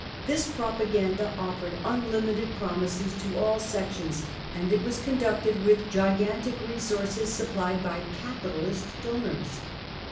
This propaganda offered unlimited promises to all sections, and it was conducted with gigantic resources supplied by capitalist donors.